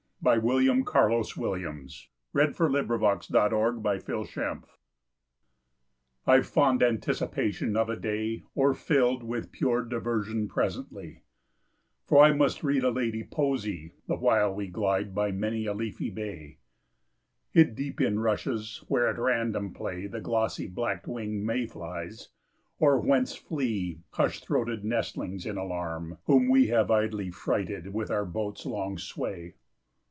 I J . K L . M N . O P . Q R . S T . U V . W X . Y Z The Uses of Poetry I'VE fond anticipation of a day O'erfilled with pure diversion presently, For I must read a lady poesy The while we glide by many a leafy bay, Hid deep in rushes, where at random play The glossy black winged May flies, or whence flee Hush throated nestlings in alarm, Whom we have idly frighted with our boat's long sway.